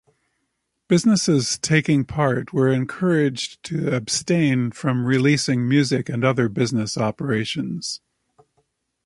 Businesses taking part were encouraged to abstain from releasing music and other business operations.